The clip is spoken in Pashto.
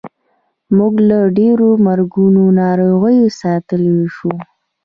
موږ له ډېرو مرګونو ناروغیو ساتلی شو.